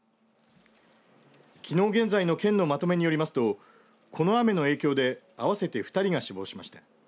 きのう現在の県のまとめによりますとこの雨の影響で合わせて２人が死亡しました。